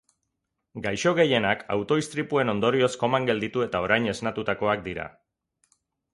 Gaixo gehienak auto istripuen ondorioz koman gelditu eta orain esnatutakoak dira.